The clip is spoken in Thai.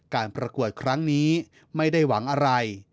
ประกวดครั้งนี้ไม่ได้หวังอะไร